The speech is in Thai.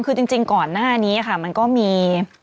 คือจริงก่อนหน้านี้ค่ะมันก็มี